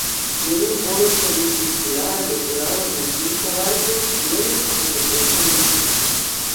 Tiene un coro semicircular decorado con cinco arcos ciegos que soportan un friso.